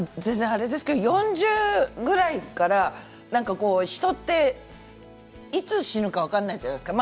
４０ぐらいから人っていつ死ぬか分からないじゃないですか。